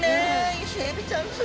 イセエビちゃんす